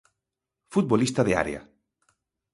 Futbolista de área.